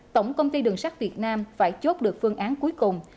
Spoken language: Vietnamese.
tổng công ty đường sắt việt nam phải chốt được phương án cuối cùng